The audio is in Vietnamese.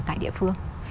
tại địa phương